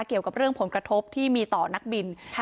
เกี่ยวกับเรื่องผลกระทบที่มีต่อนักบิน